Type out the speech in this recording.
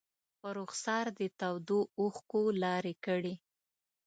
په رخسار دې تودو اوښکو لارې کړي